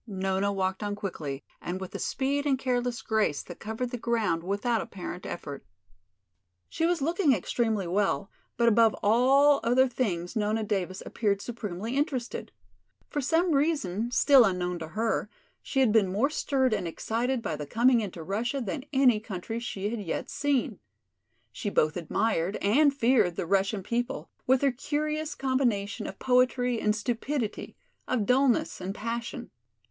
Nona walked on quickly and with a speed and careless grace that covered the ground without apparent effort. She was looking extremely well, but above all other things Nona Davis appeared supremely interested. For some reason, still unknown to her, she had been more stirred and excited by the coming into Russia than any country she had yet seen. She both admired and feared the Russian people, with their curious combination of poetry and stupidity, of dullness and passion.